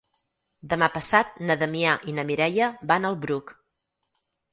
Demà passat na Damià i na Mireia van al Bruc.